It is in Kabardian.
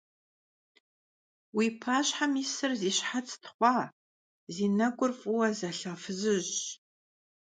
Vui paşhem yisır zi şhetsır txhua, zi nek'ur f'ıue zelha fızıjş.